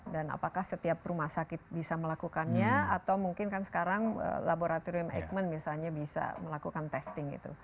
dan apakah setiap rumah sakit bisa melakukannya atau mungkin kan sekarang laboratorium eijkman misalnya bisa melakukan testing gitu